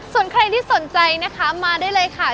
ส่วนใครที่สนใจนะคะมาได้เลยค่ะ